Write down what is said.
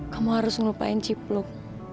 kamu harus ngelupain cipluk